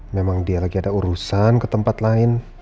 memang dia lagi ada urusan ke tempat lain